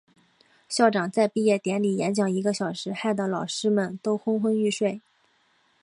校长在毕业典礼演讲一个小时，害得老师们都昏昏欲睡。